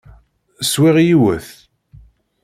Swiɣ yiwet.